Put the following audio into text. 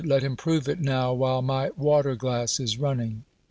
let him prove it now while my waterglass^ is runniiit!